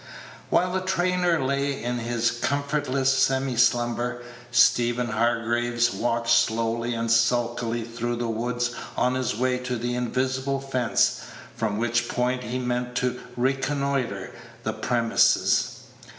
While the trainer lay in this comfortless semi slumber, Stephen Hargraves walked slowly and sulkily through the wood on his way to the invisible fence, from which point he meant to reconnoitre the premises.